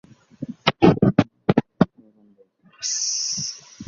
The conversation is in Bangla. কৃষিঋণ মওকুফেরও উদাহরণ রয়েছে।